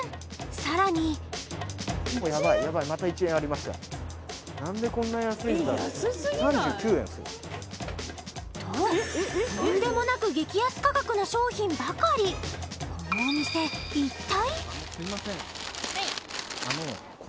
３９円ですよととんでもなく激安価格の商品ばかりこのお店一体？